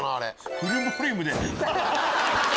フルボリュームで。